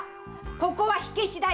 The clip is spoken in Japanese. ここは火消しだよ！